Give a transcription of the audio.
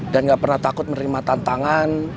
dan gak pernah takut menerima tantangan